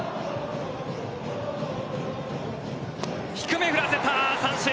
低め振らせた、三振！